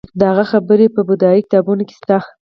د هغه خبرې په بودايي کتابونو کې شته